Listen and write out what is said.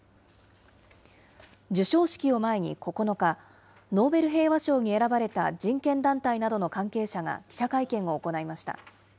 授賞式を前に９日、ノーベル平和賞に選ばれた人権団体などの関係者が記者会見を行いました。